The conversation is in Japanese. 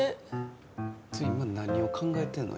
ちょ今何を考えてんの？